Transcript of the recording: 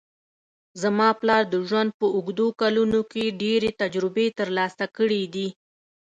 زما پلار د ژوند په اوږدو کلونو کې ډېرې تجربې ترلاسه کړې دي